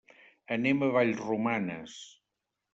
Anem a Vallromanes.